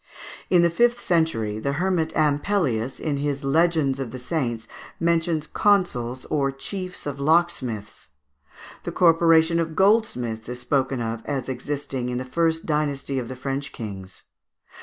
In the fifth century, the Hermit Ampelius, in his "Legends of the Saints," mentions Consuls or Chiefs of Locksmiths. The Corporation of Goldsmiths is spoken of as existing in the first dynasty of the French kings.